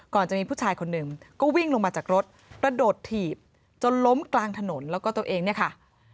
จะมีผู้ชายคนหนึ่งก็วิ่งลงมาจากรถกระโดดถีบจนล้มกลางถนนแล้วก็ตัวเองเนี่ยค่ะ